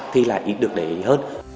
thì lại được để hơn